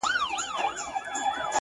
او د دنيا له لاسه!